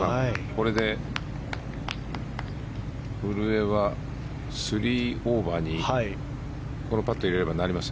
これで古江は３オーバーにこのパットを入れればなります。